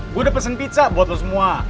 gue udah pesen pizza buat lo semua